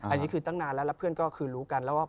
อันนี้คือตั้งนานแล้วแล้วเพื่อนก็คือรู้กันแล้วว่า